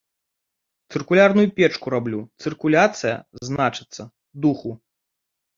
Цыркулярную печку раблю, цыркуляцыя, значыцца, духу.